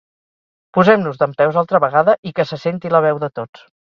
Posem-nos dempeus altra vegada i que se senti la veu de tots.